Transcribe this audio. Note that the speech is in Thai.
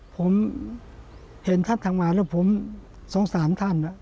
ผมเห็นท่านกรรมแล้วผมสงสารท่าน